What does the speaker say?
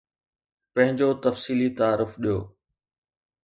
پنهنجو تفصيلي تعارف ڏيو.